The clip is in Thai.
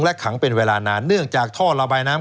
และขังเป็นเวลานานเนื่องจากท่อระบายน้ำ